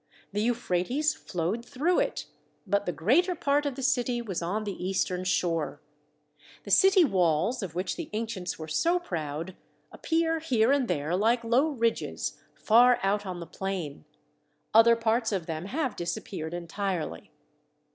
The Euphrates flowed through it, but the greater part of the city was on the eastern shore. The city walls, of which the ancients were so proud, ap pear here and there like low ridges far out on the plain; other parts of them have disappeared entirely.